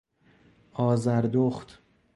آذردخت